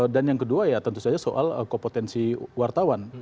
dan yang kedua ya tentu saja soal kompetensi wartawan